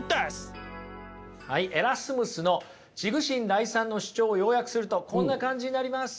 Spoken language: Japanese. はいエラスムスの「痴愚神礼讃」の主張を要約するとこんな感じになります。